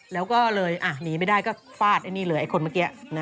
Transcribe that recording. แล้วก็เลยหนีไม่ได้ก็ฟาดไอ้นี่เลยไอ้คนเมื่อกี้